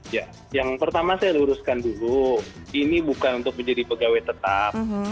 ya yang pertama saya luruskan dulu ini bukan untuk menjadi pegawai tetap